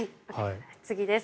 次です。